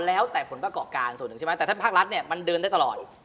แล้วแต่ผลประกอบการส่วนหนึ่งใช่ไหมแต่ถ้าภาครัฐเนี่ยมันเดินได้ตลอด